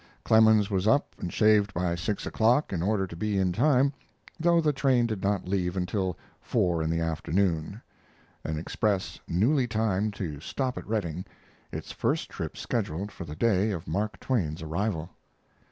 Clemens was up and shaved by six o'clock in order to be in time, though the train did not leave until four in the afternoon an express newly timed to stop at Redding its first trip scheduled for the day of Mark Twain's arrival.